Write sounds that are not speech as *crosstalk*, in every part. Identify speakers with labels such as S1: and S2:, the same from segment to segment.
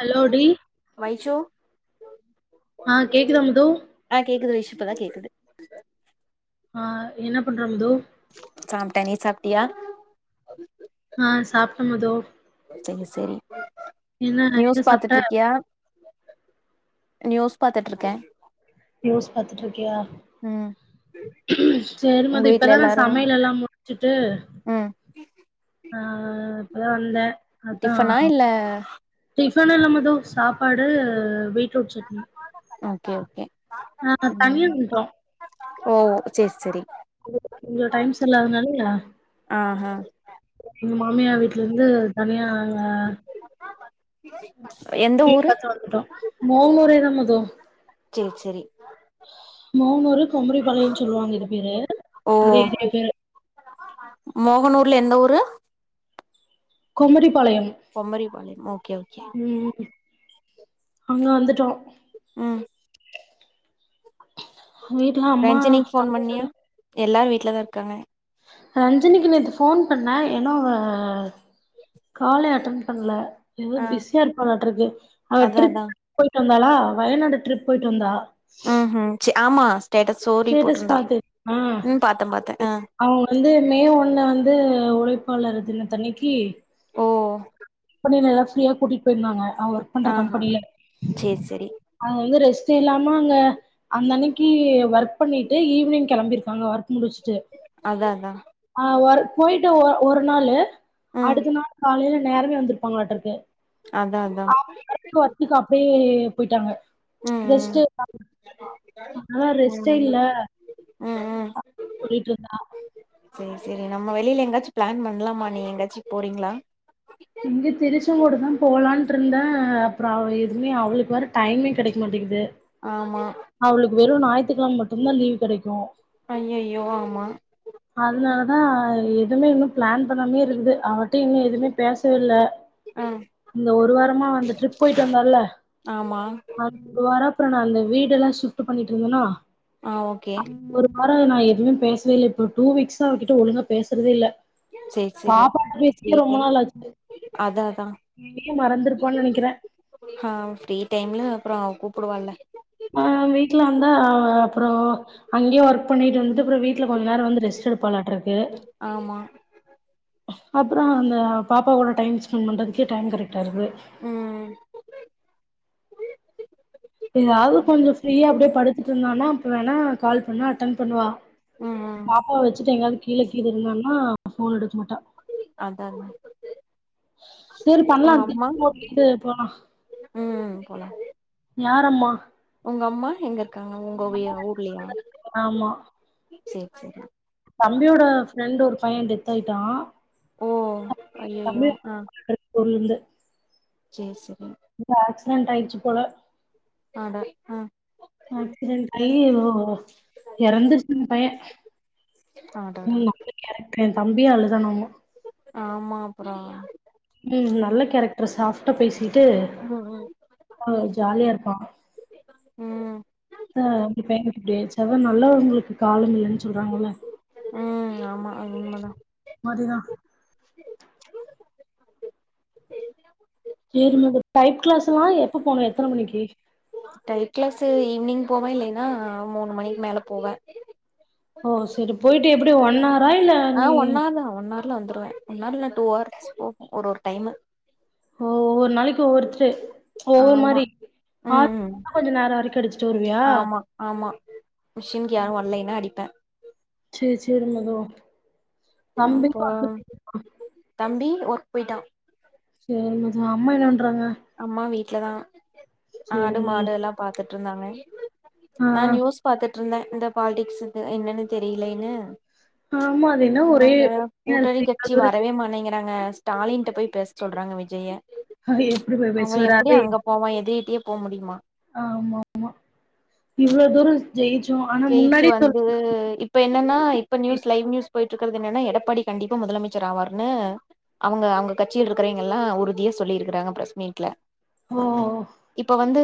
S1: Hello டி
S2: வைஷு
S1: ஆ ‌ கேக்குதா மது
S2: ஆ கேக்குது வைஷீ இப்பதா கேக்குது
S1: ஆ என்ன பண்ற மது
S2: சாப்டே நீ சாப்ட்டியா
S1: ஆ சாப்ட்ட மது
S2: செரி செரி
S1: என்ன என்ன
S2: நியூஸ்
S1: சாப்ட்ட
S2: பாத்துட்டிருக்கியா நியூஸ் பாத்துட்டிருக்கே
S1: நியூஸ் பாத்துட்டிருக்கியா
S2: ம்
S1: சேரி
S2: உங்க
S1: மது
S2: வீட்ல
S1: இப்பதா நா
S2: எல்லாரு
S1: சமையலெல்லா முடிச்சுட்டு
S2: ம்
S1: ஆ இப்பதா வந்தே அதா
S2: டிஃபனா இல்ல
S1: டிஃபனில்ல மது சாப்பாடு பீட்ரூட் சட்னி
S2: ஓகே ஓகே
S1: ஆ தனியா
S2: ம்
S1: நின்ட்டோ
S2: ஓ சேரி சேரி
S1: கொஞ்சோ டைம் சொல்லாதனாலயா
S2: ஆ ஹ
S1: எங்க மாமியார் வீட்ல இருந்து தனியா நாங்க
S2: எந்த
S1: வீடு
S2: ஊரு
S1: பாத்து வந்துட்டோ மோமோரேதா மது
S2: சேரி சேரி
S1: மோகனுரு பொம்பறி பாளையம்னு சொல்லுவாங்க இது பேரு
S2: ஓ
S1: இந்த ஏரியா பேரு
S2: மோகனூர்ல எந்த ஊரு
S1: பொம்படி பாளயம்
S2: பொம்பரிப்பாளயம் ஓகே ஓகே
S1: ம் அங்க வந்துட்டோ
S2: ம்
S1: வீட்ல அம்மா
S2: ரஞ்சினிக்கு ஃபோன்
S1: தம்பி
S2: பண்ணியா எல்லாரு வீட்ல தா இருக்காங்க
S1: ரஞ்சினிக்கு நேத்து ஃபோன் பண்ண ஏனோ அவ காலே அட்டன் பண்ணல ஏதோ
S2: ஆ
S1: பிஸியா இருப்பாலாட்டு இருக்கு அவ
S2: அதா
S1: ட்ரிப்
S2: அதா
S1: போயிட்டு வந்தாளா வயநாடு ட்ரிப் போயிட்டு வந்தா
S2: ம் ம் ச ஆமா ஸ்டேட்டஸ் ஸ்டோரி
S1: ஸ்டேட்டஸ்
S2: போட்டுருந்தா ம் பாத்த பாத்த அ
S1: அவுங்க வந்து மே ஒன்னு வந்து உழைப்பாளர் தினத்தண்ணிக்கி
S2: ஓ
S1: கம்பெனில எல்லா ஃப்ரீயா கூட்டிட்டு போயிருந்தாங்க அவ ஒர்க் பண்ற
S2: ஆஹா
S1: கம்பெனிலே
S2: சேரி சேரி.
S1: அங்க வந்து ரெஸ்ட்டே இல்லாம அங்க அந்த அன்னிக்கி ஒர்க் பண்ணிட்டு ஈவினிங் கிளம்பிருப்பாங்க ஒர்க் முடிச்சு
S2: அதா‌ அதா
S1: ஆ ஒவர்க் போயிட்டு ஒரு நாளு
S2: ம்
S1: அடுத்த நாள் காலையில நேரமே வந்திருப்பாங்களாட்டு இருக்கு
S2: அதா அதா
S1: ஒர்க்குக்கு அப்பயே போயிட்டாங்க ச்
S2: ம்
S1: ரெஸ்ட்
S2: ம்
S1: அதனால ரெஸ்ட்டே
S2: ம்
S1: இல்ல
S2: ம் ம்
S1: சொல்லிட்டு இருந்தா
S2: செரி செரி நம்ம வெளியில எங்கயாச்சு பிளான் பண்ணலாமா நீ எங்கையாச்சு போறீங்களா
S1: எங்க திருச்செங்கோடு தா போலான்ட்டு இருந்தே அப்றோ எதுவுமே அவளுக்கு வேற டைமே கிடைக்க மாட்டேங்கிது
S2: ஆமா.
S1: அவளுக்கு வெறு ஞாயிற்றுக்கிழம மட்டுதா லீவ் கிடைக்கு
S2: ஐயையோ ஆமா
S1: அதனாலதா எதுவுமே இன்னு பிளான் பண்ணாமே இருந்து அவகிட்ட இன்னு எதுவுமே பேசவே இல்ல
S2: ஆ
S1: இந்த ஒரு வாரமா அந்த ட்ரிப் போயிட்டு வந்தோல
S2: ஆமா.
S1: வர அப்றோ நா அந்த வீடு எல்லா ஷிஃப்ட் பண்ணிட்டு இருந்தேனா
S2: ஆ ஓகே
S1: ஒரு வாரோ நா எதுவுமே பேசவே இல்ல இப்போ டூ வீக்ஸ்சா அவகிட்ட ஒழுங்கா பேசுறதே இல்ல
S2: சேரி சேரி.
S1: பாப்பா
S2: ஃப்ரீ
S1: பேசியே ரொம்ப
S2: டைம்
S1: நாள் ஆச்சு
S2: அதா அதா
S1: என்னயு மறந்திருப்பானு நெனைக்கிறே
S2: ஆ ஃப்ரீ டைம்ல அப்றோ அவ கூப்புடுவால
S1: ஆ வீட்டுல வந்தா அவ அப்றோ அங்கயு ஒர்க் பண்ணிட்டு வந்துட்டு அப்றோ வீட்டுல கொஞ்ச நேரோ வந்து ரெஸ்ட் எடுப்பாளாட்டு இருக்கு
S2: ஆமா.
S1: அப்றோ அந்த பாப்பா கோட ‌டைம் ஸ்பென் பண்றதுக்கே டைம் கரெக்ட்டா இருக்குது.
S2: ம்.
S1: எதாவது கொஞ்சோ ஃப்ரீயா அப்டியே படுத்துட்ருந்தானா வேணா கால் பண்ணா அட்டன் பண்ணுவா
S2: ம் ம்
S1: பாப்பாவ வெச்சுட்டு எங்காவ்து கீழ கீது இருந்தான்னா ஃபோன் எடுக்மாட்டா.
S2: அதாங்
S1: சேரி பண்லா *unintelligible* கீது போலா.
S2: ம் போலாம்.
S1: யார் அம்மா?
S2: உங்க அம்மா எங்க இர்க்காங்க உங்கவிய ஊர்லியா
S1: ஆமா
S2: சேர் சேரி.
S1: தம்பியோட ஃப்ரெண்டு ஒரு பைய டெத் ஆயிட்டா
S2: ஓ ஐயையோ
S1: *inaudible* பொருள் இந்து
S2: சேர் சேரி.
S1: எதோ ஆக்சிடென்ட் ஆய்ட்ச்சி போல.
S2: ஆட அ
S1: ஆக்சிடென்ட் ஆயி எதோ எறந்துருச் அந்த பைய.
S2: அடடா.
S1: *inaudible* எ தம்பியே அழுதானாமா.
S2: ஆமா அப்புறோ
S1: ம்ம் நல்ல கேரக்ட்ர் சாஃப் ட்ட பேசிகிட்டு
S2: ம்
S1: அ ஜாலியாருப்பா.
S2: ம் ம்
S1: அ இப் பையனுக்கு இப்டி ஆயிருச்சி அதா நல்லவங்குளுக்கு காலம் இல்லன் சொல்றாங்கல்ல.
S2: ம் ஆமா அது உண்மதா.
S1: மதுதா. சேரிமா இந்த டைப் கிளாஸ் எல்லா எப்ப போணு எத்தன மணிக்கி?
S2: டைப் கிளாஸு ஈவ்னிங் போவே இல்லைனா மூணு மணிக் மேல போவே.
S1: ஓ சேரி போயிட்டு எப்பிடி ஒன் ஹவரா இல்ல நீ
S2: துதா ஒன் ஹார் ல வந்துருவே ஒன் ஹார் இல்ன்னா டூ ஹார்ச் போகு ஒரு ஒரு டைமு.
S1: ஓ ஒவ்வொரு நாளைக்கு ஒவ்வொருத்ரு ஒவ்வொரு
S2: ஆமா
S1: மாரி. ஆ
S2: ம் ம்
S1: *inaudible* கொஞ்ச நேரோ வரைக்கு அடிச்சிட்டு வருவியா?
S2: ஆமா ஆமா. மிஷின்க்கு யாரு வல்லைனா அடிப்பே.
S1: சேரி சேரி மது.
S2: ஆ இப்போ
S1: தம்பிக்கு
S2: தம்பி வொர்க் போயிட்டா.
S1: சேரி மது அம்மா என்ன பண்றாங்க?
S2: அம்மா வீட்லதா ஆடு
S1: சேரி மது
S2: மாடு எல்லா பாத்துட்ருந்தாங்க.
S1: ஆ
S2: நா நியூஸ் பாத்துட்ருந்த இந்த பாலிடிக்ஸுது என்னன்னு தெரியிலைனு
S1: ஆமா அது என்ன ஒரே
S2: இவுனுங்க கூட்டணி
S1: பிரச்சனையா
S2: கட்சி
S1: இருக்கு
S2: வரவே
S1: இவ்ளோ
S2: மானிங்க றாங்க ஸ்டாலின்ட்ட போய் பேச சொல்றாங்க விஜய.
S1: ஹ ஹ எப்டி ப
S2: அவ எப்டி அங்க போவா எதிரீட்டியே போ முடிமா?
S1: ஆமா ஆமா இவ்ளோ தூரோ ஜெய்ச்சு ஆனா
S2: ஜெயிச்சு
S1: முன்னாடியே தொ
S2: வந்து இப்ப என்னன்னா இப்ப நியூஸ் லைவ் நியூஸ் போய்ட்ருக்கறது என்னன்ன எடப்பாடி கண்டிப்பா முதலமைச்சர் ஆவார்னு அவங்க அவங்க கட்சில இருக்குறவிங்க எல்லா உறுதியா சொல்லிருக்குறாங்க பிரஸ்மீட்ல.
S1: ஓ
S2: இப்ப வந்து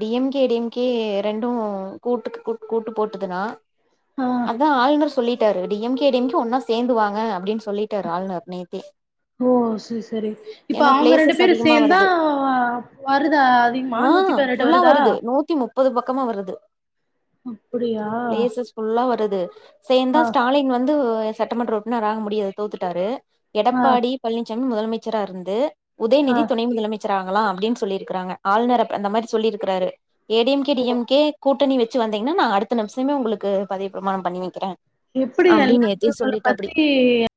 S2: D M K D M K ரெண்டு கூட்டுக்கு கூட் கூட்டு போட்டுதுனா
S1: ஆ
S2: அதா ஆளுநர் சொல்லி டாரு D M K D M K ஒன்னா சேந்துவாங்க அப்படின்னு சொல்லிட்டரு ஆளுநர் நேத்தே
S1: ஓ சேர் செரி இப்ப
S2: ஏன்னா
S1: அவுங்க ரெண்டு
S2: பிளேசஸ்
S1: பேர்
S2: அதிகமா
S1: சேந்தா
S2: வருது
S1: வருதா அதிகமா
S2: ஆ
S1: நூத்தி பதுனெட்
S2: ஃபுல்லா வருது நூத்தி முப்பது பக்கமா வருது
S1: அப்டியா
S2: பிளேசஸ் ஃபுல்லா வருது சேந்தா
S1: ஆ
S2: ஸ்டாலின் வந்து சட்டமன்ற உறுப்பினர் ஆக முடியாது தோத்துட்டாரு
S1: ஆ
S2: எடப்பாடி பழனிசாமி முதலமைச்சரா இருந்து
S1: ஆ
S2: உதயநிதி துணை முதலமைச் சராங்களா அப்படின்னு சொல்லிருக்கிறாங்க ஆளுநர் அந்த மாதிரி சொல்லியிருக்காரு A D M K D M K கூட்டணி வ ச்சி வந்தீங்கன்னா நான் அடுத்த நிமிஷமே உங்களுக்கு பதவி பிரமாணம் பண்ணி வைக்கிறேன்
S1: எப்புடி எல்லாம் *inaudible* பத்தி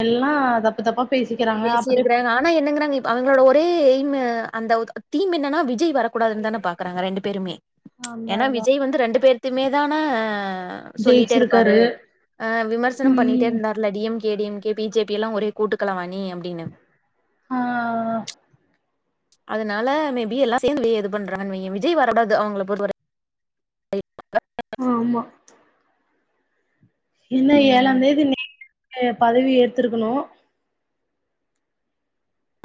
S1: எல்லாம் தப்பு தப்பா பேசிக்கிறாங்க அப்புறம் எப்
S2: பேசியிருக்கிறாங்க. ஆனா என்னங்றாங்க அவங்களோட ஒரே எய்மு அந்த ஒதுக்கு தீம் என்னனா விஜய் வரக்கூடாதுன்னு தான பா்குறாங்க ரெண்டு பேருமே
S1: ஆமா
S2: ஏன்னா
S1: அதா
S2: விஜய் வந்து ரெண்டு பேர்த்தயுமே தான சொல்லீட்டே இருப்பாரு
S1: ஜெயிச்சிருக்காரு
S2: ஆ விமர்சனம் பண்ணீட்டே
S1: ம்
S2: இருந்தா ர்ல D M K D M K B J P எல்லா ஒரே கூட்டுக்கலவானி அப்டின்னு
S1: ஆ
S2: அதனால மேபி எல்லா சேந்து வெளிய இது பண்றான்னு வெய்யி விஜய் வரக்கூடாது அவங்கள பொறுத்த வர *inaudible*
S1: ஆமா என்ன
S2: ம்.
S1: ஏழாந்தேதி நைட்டு பதவி ஏத்திருக்கணு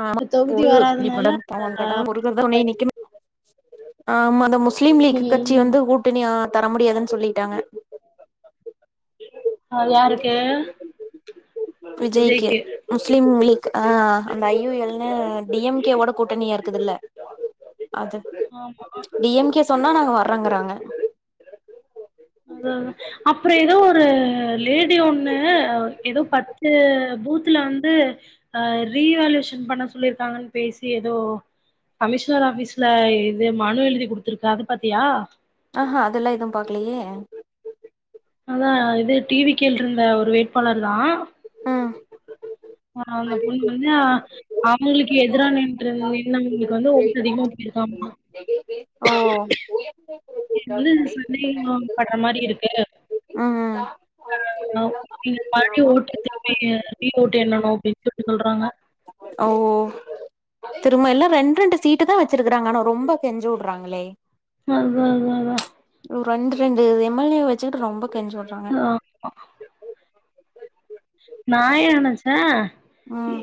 S2: ஆமா
S1: இப்ப தொகுதி
S2: *inaudible* இப்டி
S1: வராதனால
S2: பண்றாங்க அவங்
S1: ஆ
S2: கடவுள் முருகர்தா துணை நிக்க ஆமா இந்த முஸ்லீம் லீக்கு கட்சி
S1: ம்
S2: வந்து ஓட் டுனியா தர முடியாதுன்னு சொல்லிட்டாங்க
S1: அது யாருக்கே
S2: விஜய்க்கு முஸ்லிம் லீக் ஆ அந்த ஐ யு எல்னு டி எம் கே ஓட கூட்டணியா இருக்குதுல்ல அது
S1: ஆமா
S2: டி எம் கே சொன்னா நாங்க வர்றங்குறாங்க
S1: அதா தா அப்றோ ஏதோ ஒரு லேடி ஒண்ணு ஏதோ பத்து பூத்துல வந்து அ ரீவேல்யூஷன் பண்ண சொல்லிருக்காங்கன்னு பேசி ஏதோ கமிஷ்னர் ஆபீஸ்ல இது மனு எழுதி குடுத்துருக்கு அது பாத்தியா
S2: ஆஹா அதெல்லா எதும் பாக்குலியே
S1: அதா இது டி வி கேல இருந்த ஒரு வேட்பாளர் தா
S2: ஆ
S1: ஆ அந்த பொண்ணு வந்து ஆ அவுங்ளுக்கு எதுரா நின்ற்று நின்னவ்ங்ளுக்கு வந்து ஓட்டு அதிகமா போயிருக்காமா
S2: ஓ உயர்ந்து போய்
S1: என்னது இது சந்தேகமாம் படுற மாரி இருக்கு
S2: ஆ ஆ
S1: *inaudible* ஓட்ட திருப்பி ரீ ஓட் எண்ணணும் அப்படின்னு சொல்லி சொல்றாங்க
S2: அ ஓ திரும்ப எல்லாம் ரெண்டு ரெண்டு சீட்டு தான் வச்சிருக்கறாங்க ஆனா ரொம்ப கெஞ்ச விடுறாங்களே
S1: அதான் ‌ அதான் அதான்
S2: ஒரு ரெண்டு ரெண்டு எம்எல்ஏ வச்சுக்கிட்டு ரொம்ப கெஞ்ச விடுறாங்க
S1: *inaudible* நா எ நெனச்சே
S2: ம்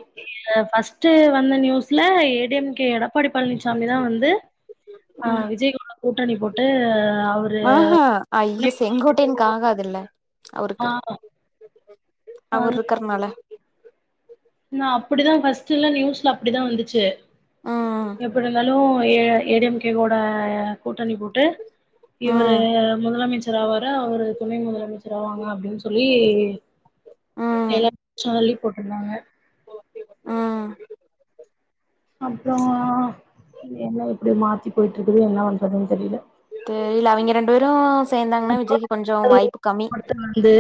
S1: ஃபஸ்ட்டு வந்த நியூஸ்ல ஏடிஎம் கே எடப்பாடி பழனிசாமி தா வந்து ஆ
S2: ம்
S1: விஜய் கூட கூட்டணி போட்டு அவரு துணை
S2: அய்ய
S1: முதலமைச்சர்
S2: செங்கோட்டையனுக்கு ஆகாதுல்ல
S1: ஆ
S2: அவருக்கு அவர் இருக்கறனால
S1: நா அப்படிதா ஃபஸ்ட்டுலா நியூஸ்ல அப்படிதா வந்துச்சு
S2: ம்
S1: எப்டி ந்தாலு ஏடிஎம்கே கூட கூட்டணி போட்டு இவரு
S2: ம்
S1: முதலமைச்சர் ச்சராவாரு அவரு துணை முதலமைச்சர் ஆவாங்க அப்டின் சொல்லி
S2: ம்
S1: எல்லாப் சானல்லையு போட்ருந்தாங்க
S2: ஆ
S1: அப்றோ எல்லா இப்டி மாத்தி போய்ட்ருக்குது என்ன பண்றதுன்னு தெரில
S2: தெரில அவிங்க ரெண்டு பேரு சேந்தாங்னா விஜய்க்கு கொஞ்சோ வாய்ப்பு கம்மி
S1: வந்து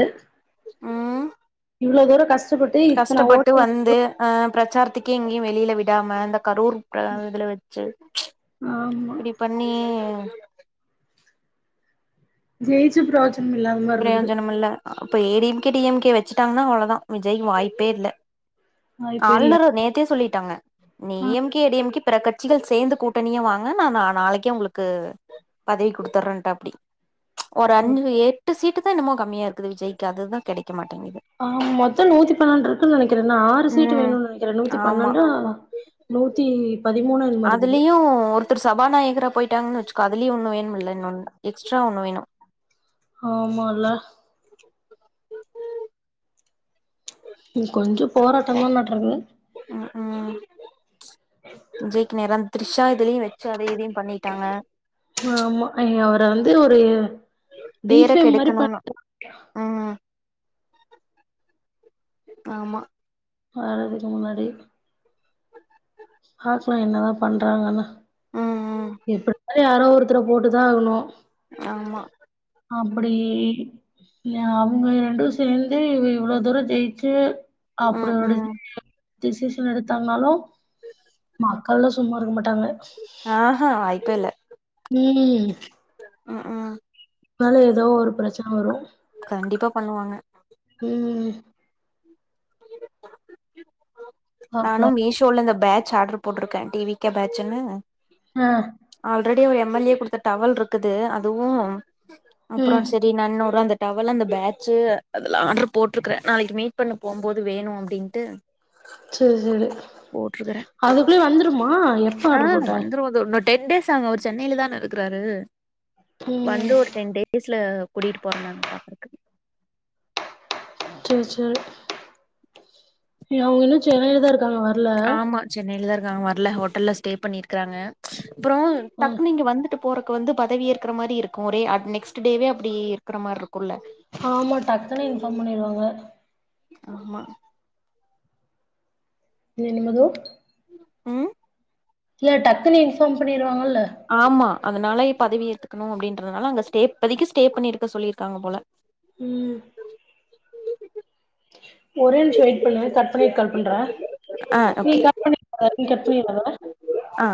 S2: ம்
S1: இவ்ளோ தூர கஷ்டப்பட்டு இத்தன ஓட்டு *unintelligible*
S2: ஆ பிரச்சாரத்துக்கே எங்கேயு வெளில விடாம இந்த கரூர் ப இதுல வச்சு
S1: ஆமா
S2: இப்படி பண்ணி
S1: ஜெய்ச்சு பிரயோஜ் ம் இல்லாம
S2: பிரயோஜனம் இல்ல அப்ப ஏடிஎம்கே டிஎம்கே வச்சுட்டாங்கன்னா அவ்ளோ தா விஜய்கு வாய்ப்பே இல்ல
S1: வாய்ப்பே இல்ல
S2: ஆளுநர நேத்தே சொல்லிட்டாங்க நீ எம்கி எடிஎம்கி பிற கட்சிகள் சேந்து கூட்டணியா வாங்க நா நாளைக்கே உங்களுக்கு பதவி கொடுத்தர்றேன்டாப்டி ஒரு அஞ்சு எட்டு சீட்டு தா என்னமோ கம்மியா இருக்குது விஜய்க்கு அதுதா கெடைக்க மாட்டேங்கிது
S1: ஆ மொத்தம் நூத்தி பன்னெண்டு இருக்குன்னு நெனைக்கிறே இன்னு ஆறு சீட்டு
S2: ம்
S1: வேணும்னு நெனைக்கிறேன் நூத்தி
S2: ஆமா
S1: பன்னெண்டா நூத்தி பதிமூணு என்னமோ இருக்குது
S2: அதுலயு ஒருத்தர் சபாநாயகரா போயிட்டாங்கன்னு வச்சுக்கோ அதுலயு ஒன்னு வேணும்ல இன்னொன் எக்ஸ்ட்ரா ஒன்னு வேணு
S1: ஆமால கொஞ்சோ போராட்டம்ந்தா நாட்ருக்குது
S2: ம் விஜய்க்கு நேரம் த்ரிஷா இதுலயு வச்சு அதை இதையு பண்ணி
S1: ஆமா அவர வந்து ஒரு
S2: பேர
S1: டிஃபேம் மாரி பண்
S2: கெடுக்கணும்னு ம் ஆமா
S1: வரதுக்கு முன்னாடி பாக்கலா என்ன தா பண்றாங்கன்னு
S2: ம் ம்
S1: எப்டி இருந்தாலு யாரோ ஒருத்தர போட்டுதா ஆகணு
S2: ஆமா
S1: அப்படி ஏ அவங்க ரெண்டு சேந்தே இவ இவ்ளோ தூரம் ஜெயிச்சு அப்டி
S2: ம்
S1: ஒரு
S2: ம்
S1: டிசிஷன் எடுத்தானாலும் மக்கள்லா சும்மா இருக்க மாட்டாங்க
S2: ஆ ஹா வாய்ப்பே இல்ல
S1: ம்
S2: ம் ம்
S1: னால ஏதோ ஒரு பிரச்சன வரு
S2: கண்டிப்பா பண்ணுவாங்க
S1: ம்
S2: நானு
S1: பாக்கலா
S2: மீஷோல இந்த பேட்ச் ஆர்டர் போட்டிருக்கே டி வி கே பேட்சன்னு
S1: ம்
S2: ஆல்ரெடி ஒரு எம் எல் ஏ குடுத்த டவல் இருக்குது அதுவு அப்றோ
S1: ம்
S2: செரி நா இன்னொரு அந்த டவல்லு அந்த பேட்சு அதெல்லா ஆர்டரு போட்டிருக்கறே நாளைக்கு மீட் பண்ண போபோது வேணு அப்டின்ட்டு
S1: செரி செரி
S2: போட்டிருக்கறே
S1: அதுக்குள்ளயே வந்துருமா எப்ப ஆர்டரு போட்ட
S2: ஒரு இன்னொரு டென் டேய்ஸ் ஆகு அவரு சென்னையில தான இருக்கிறாரு வந்து
S1: ம்
S2: ஒரு டென் டே ஸ்ல கூட்டிட்டு போறேன்னானு பாக்குறதக்கு
S1: செரி செரி அவுங்க இன்னு சென்னையிலதா இருக்காங்களா
S2: ஆமா சென்னையிலதா இருக்காங்க வர்ல ஹோட்டல்ல ஸ்டே பண்ணிருக்காங்க அப்றோ டக்குனு இங்க வந்துட்டு போறக்கு வந்து பதவி ஏக்கற மாரி இருக்கு ஒரே நெக்ஸ்ட் டேவே அப்டி இருக்கிற மாரி இருக்கும்ல்ல
S1: ஆமா டக்குனே இன்ஃபார்ம் பண்ணிடுவாக
S2: ஆமா
S1: நீ என்ன மது
S2: ம்
S1: இல்லைடக்குனு இன்ஃபார்ம் பண்ணிடுவாங்கல்ல
S2: ஆமா அதனாயே பதவி ஏத்துக்கணு அப்டின்றதுனால அங்க ஸ்டே இப்பதிக்கு ஸ்டே பண்ணிருக்க சொல்லியிருக்காங்க போல
S1: ம் ஒரே நிமிஷ வெயிட் பண்ணு கட் பண்ணிட்டு கால் பண்ணுற
S2: ஆ
S1: நீ கட்
S2: ஓகே
S1: பண்ண நீ கட் பண்ணிடாத
S2: ஆ